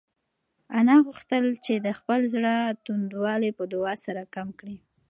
انا غوښتل چې د خپل زړه توندوالی په دعا سره کم کړي.